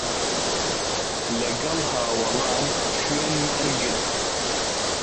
لەگەڵ هەواڵان شوێنمان گرت